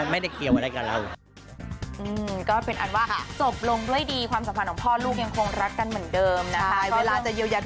ไม่ได้เกี่ยวอะไรกับเรา